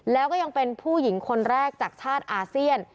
แล้วก็ยังเป็นผู้หญิงคนแรกจากชาติอาเซียน